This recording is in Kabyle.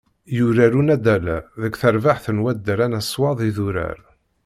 Yurar unaddal-a deg terbaεt n waddal amaswaḍ Idurar.